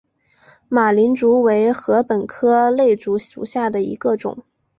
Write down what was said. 马岭竹为禾本科簕竹属下的一个种。